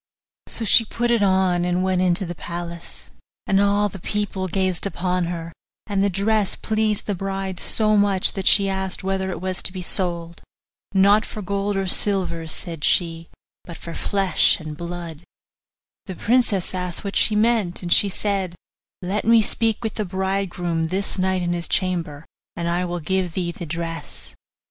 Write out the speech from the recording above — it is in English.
So she put it on, and went into the palace, and all the people gazed upon her; and the dress pleased the bride so much that she asked whether it was to be sold. 'Not for gold and silver.' said she, 'but for flesh and blood.' The princess asked what she meant, and she said, 'Let me speak with the bridegroom this night in his chamber, and I will give thee the dress.